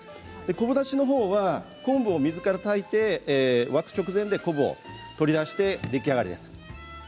昆布だしのほうは昆布を水から炊いて沸く直前で昆布を取り出して出来上がります。